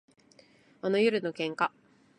あの夜の喧嘩